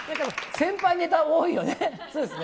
先輩ネタが多いよね。